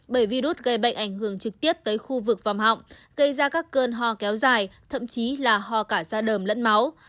bởi virus gây bệnh ảnh hưởng trực tiếp tới khu vực vằm họng gây ra các cơn hoa kéo dài thậm chí là hoa cả da đờm lẫn máu